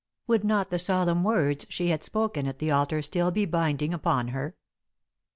Would not the solemn words she had spoken at the altar still be binding upon her?